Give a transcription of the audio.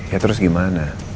ya terus gimana